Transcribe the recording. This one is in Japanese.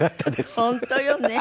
本当よね。